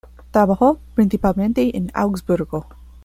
Trabajó principalmente en Augsburgo.